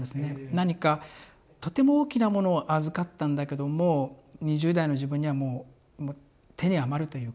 何かとても大きなものを預かったんだけども２０代の自分にはもうもう手に余るというか。